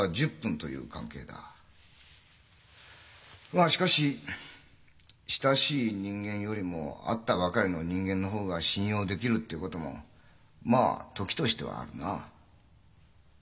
まあしかし親しい人間よりも会ったばかりの人間の方が信用できるっていうこともまあ時としてはあるな。